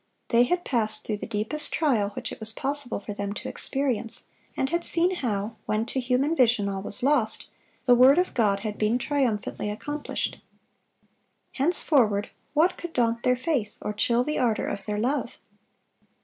They had passed through the deepest trial which it was possible for them to experience, and had seen how, when to human vision all was lost, the word of God had been triumphantly accomplished. Henceforward what could daunt their faith, or chill the ardor of their love?